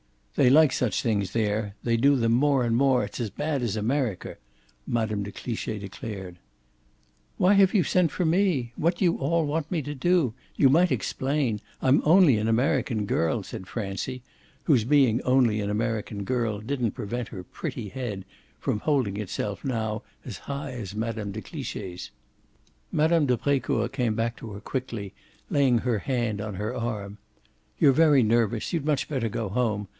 "They like such things there; they do them more and more. It's as bad as America!" Mme. de Cliche declared. "Why have you sent for me what do you all want me to do? You might explain I'm only an American girl!" said Francie, whose being only an American girl didn't prevent her pretty head from holding itself now as high as Mme. de Cliche's. Mme. de Brecourt came back to her quickly, laying her hand on her arm. "You're very nervous you'd much better go home.